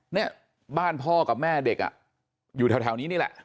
เนี่ยบ้านพ่อกับแม่เด็กอ่ะอยู่แถวนี้นี่แหละ